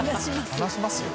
「離しますよ」